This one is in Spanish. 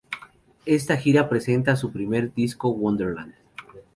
Esta gira presenta a su primer disco Wonderland.